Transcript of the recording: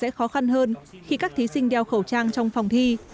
sẽ khó khăn hơn khi các thí sinh đeo khẩu trang trong phòng thi